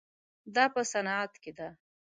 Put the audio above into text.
دا په صنعت کې ده.